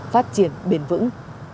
phát triển bền vững